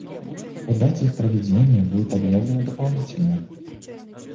О дате их проведения будет объявлено дополнительно.